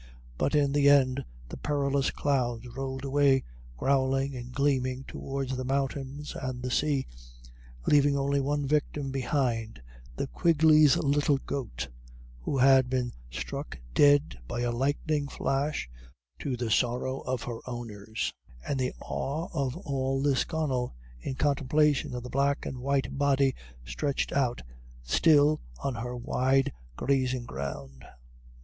But in the end the perilous clouds rolled away growling and gleaming towards the mountains and the sea, leaving only one victim behind the Quigley's little goat, who had been struck dead by a lightning flash, to the sorrow of her owners, and the awe of all Lisconnel in contemplation of the black and white body stretched out still on her wide grazing ground.